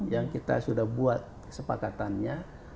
yang kita sudah buat kesepakatannya